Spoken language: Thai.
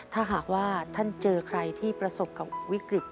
ถ้าหากว่าท่านเจอใครที่ประสบกับวิกฤต